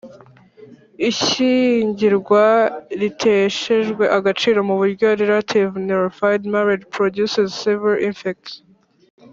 Ishyingirwa riteshejwe agaciro mu buryo Relative nullified marriage produces civil effects